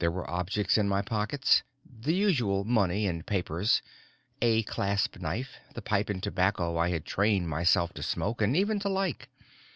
There were objects in my pockets, the usual money and papers, a claspknife, the pipe and tobacco I had trained myself to smoke and even to like.